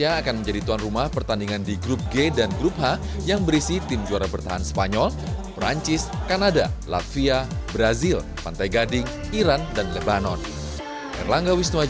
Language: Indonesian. indonesia akan menjadi tuan rumah pertandingan di grup g dan grup h yang berisi tim juara bertahan spanyol perancis kanada latvia brazil pantai gading iran dan lebanon